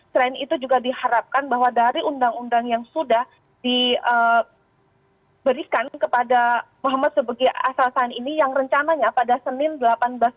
selain itu juga diharapkan bahwa dari undang undang yang sudah diberikan kepada muhammad sebagai asal sani ini yang rencananya pada senin delapan belas